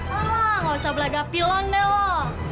alah gak usah belagapi lho nelol